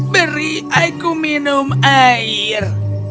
beri aku minum air